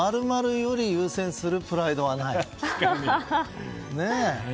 ○○より優先するプライドはない。